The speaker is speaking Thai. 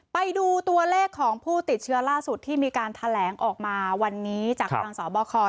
ไปดูตัวเลขของผู้ติดเชื้อล่าสุดที่มีการแถลงออกมาวันนี้จากทางสบค